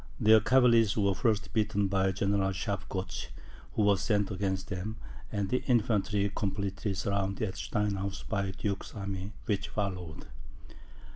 Their cavalry were first beaten by General Schafgotsch, who was sent against them, and the infantry completely surrounded at Steinau by the duke's army which followed.